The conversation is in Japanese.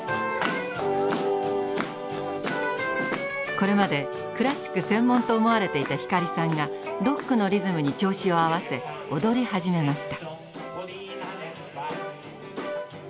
これまでクラシック専門と思われていた光さんがロックのリズムに調子を合わせ踊り始めました。